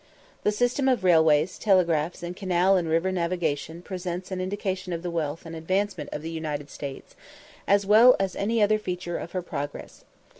The system of railways, telegraphs, and canal and river navigation presents an indication of the wealth and advancement of the United States, as wonderful as any other feature of her progress.